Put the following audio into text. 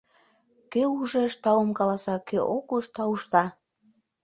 Кӧ ужеш, таум каласа, кӧ ок уж, таушта!